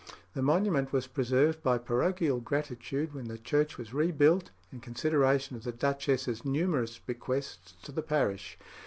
The monument was preserved by parochial gratitude when the church was rebuilt, in consideration of the duchess's numerous bequests to the parish.